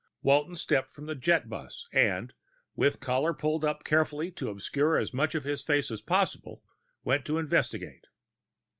Walton stepped from the jetbus and, with collar pulled up carefully to obscure as much of his face as possible, went to investigate.